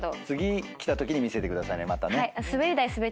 次来たときに見せてくださいね。